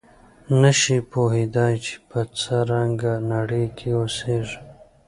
نه شي پوهېدای چې په څه رنګه نړۍ کې اوسېږي.